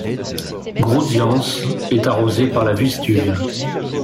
Grudziądz est arrosée par la Vistule.